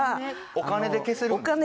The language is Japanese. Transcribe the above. お金で消せる。